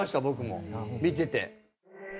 僕も見てて。